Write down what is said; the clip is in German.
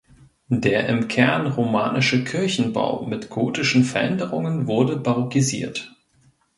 Der im Kern romanische Kirchenbau mit gotischen Veränderungen wurde barockisiert.